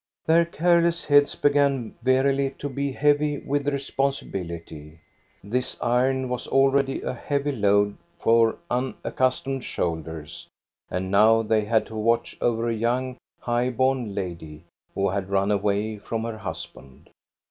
Their careless heads began verily to be heavy with responsibility. This iron was already a heavy load for unaccustomed shoulders, and now they had to watch over a young, high born lady, who had run away from her husband.